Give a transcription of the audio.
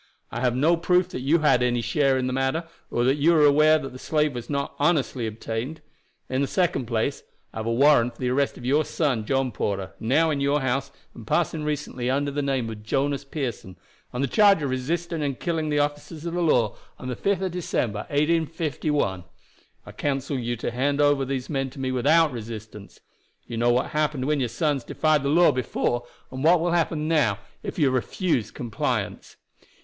I have no proof that you had any share in the matter, or that you are aware that the slave was not honestly obtained. In the second place, I have a warrant for the arrest of your son John Porter, now in your house and passing recently under the name of Jonas Pearson, on the charge of resisting and killing the officers of the law on the 5th of December, 1851. I counsel you to hand over these men to me without resistance. You know what happened when your sons defied the law before, and what will happen now if you refuse compliance."